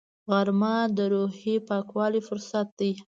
غرمه د روحي پاکوالي فرصت دی